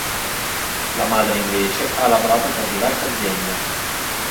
La madre invece ha lavorato per diverse aziende.